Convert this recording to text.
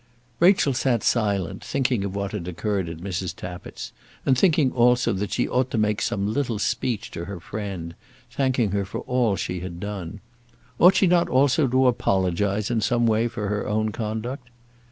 Rachel sat silent, thinking of what had occurred at Mrs. Tappitt's; and thinking also that she ought to make some little speech to her friend, thanking her for all that she had done. Ought she not also to apologise in some way for her own conduct?